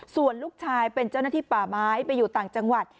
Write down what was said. ส่วนลูกชายเป็นเจ้าหน้าที่ป่าไม้ไปอยู่ต่างจังหวัด